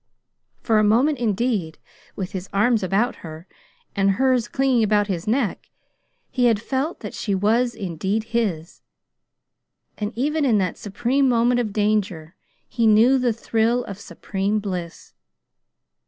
For a moment, indeed, with his arms about her, and hers clinging about his neck, he had felt that she was indeed his; and even in that supreme moment of danger he knew the thrill of supreme bliss.